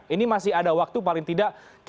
ini masih ada waktu paling tidak kita punya waktu